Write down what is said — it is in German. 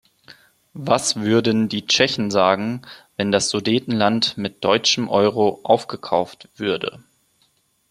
Was würden die Tschechen sagen, wenn das Sudetenland mit deutschen Euro aufgekauft würde.